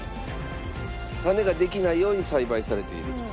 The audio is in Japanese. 種ができないように栽培されていると。